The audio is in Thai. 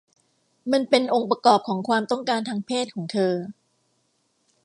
มันเป็นองค์ประกอบของความต้องการทางเพศของเธอ